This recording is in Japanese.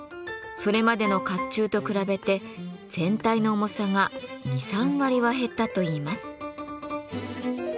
それまでの甲冑と比べて全体の重さが２３割は減ったといいます。